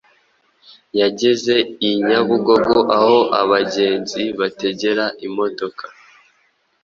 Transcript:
Yageze i Nyabugogo aho abagenzi bategera imodoka,